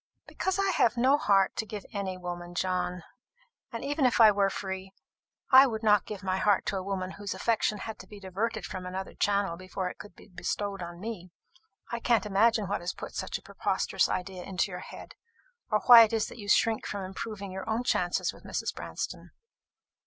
"Because I have no heart to give any woman, John. And even if I were free, I would not give my heart to a woman whose affection had to be diverted from another channel before it could be bestowed upon me. I can't imagine what has put such a preposterous idea into your head, or why it is that you shrink from improving your own chances with Mrs. Branston."